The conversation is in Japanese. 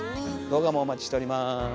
動画もお待ちしております。